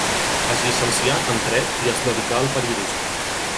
Es llicencià en dret i es dedicà al periodisme.